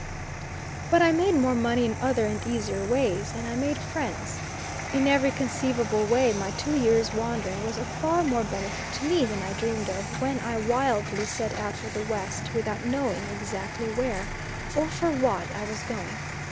But I made more money in other and easier ways, and I made friends. In every conceivable way my two years' wandering was of far more benefit to me than I dreamed of when I wildly set out for the West without knowing exactly where, or for what, I was going.